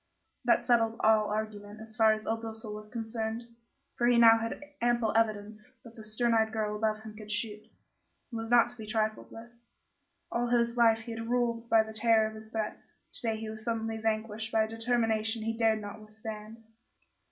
That settled all argument, as far as Il Duca was concerned; for he now had ample evidence that the stern eyed girl above him could shoot, and was not to be trifled with. All his life he had ruled by the terror of his threats; to day he was suddenly vanquished by a determination he dared not withstand.